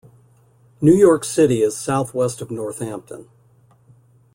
New York City is southwest of Northampton.